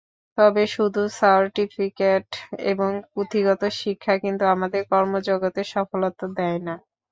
তবে শুধু সার্টিফিকেট এবং পুঁথিগত শিক্ষা কিন্তু আমাদের কর্মজগতে সফলতা দেয় না।